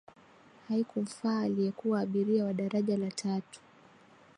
haikumfaa aliyekuwa abiria wa daraja la tatu